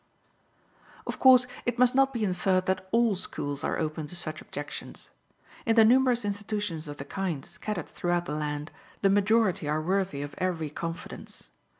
Of course it must not be inferred that all schools are open to such objections. In the numerous institutions of the kind scattered throughout the land, the majority are worthy of every confidence.